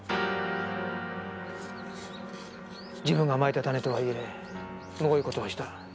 自分がまいた種とはいえむごい事をした。